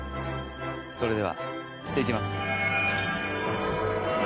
それではいきます。